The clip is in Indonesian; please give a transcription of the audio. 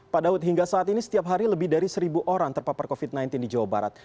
pak daud hingga saat ini setiap hari lebih dari seribu orang terpapar covid sembilan belas di jawa barat